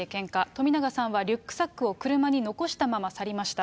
冨永さんはリュックサックを車に残したまま去りました。